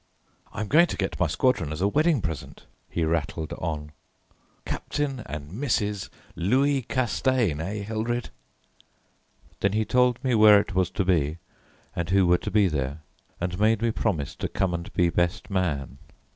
"I am going to get my squadron as a wedding present," he rattled on. "Captain and Mrs. Louis Castaigne, eh, Hildred?" Then he told me where it was to be and who were to be there, and made me promise to come and be best man.